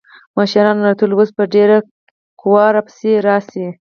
مشرانو راته وويل اوس به ډېره قوا را پسې راسي.